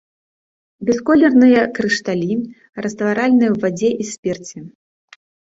Бясколерныя крышталі, растваральныя ў вадзе і спірце.